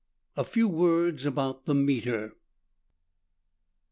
A FEW WORDS ABOUT THE " MfeTRE."